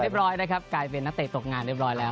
ร้อยนะครับกลายเป็นนักเตะตกงานเรียบร้อยแล้ว